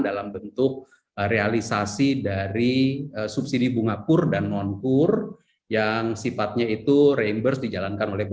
dalam bentuk realisasi dari subsidi bunga pur dan non kur yang sifatnya itu raimbers dijalankan oleh